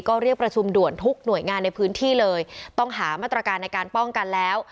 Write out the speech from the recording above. ก็เรียกประชุมด่วนทุกหน่วยงานในพื้นที่เลยต้องหามาตรการในการป้องกันแล้ว